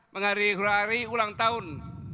menghari hari ulang tahun